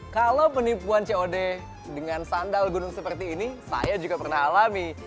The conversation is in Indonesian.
kalau penipuan cod dengan sandal gunung seperti ini saya juga pernah alami